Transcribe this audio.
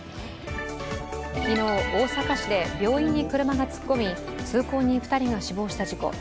昨日、大阪市で病院に車が突っ込み通行人２人が死亡した事故。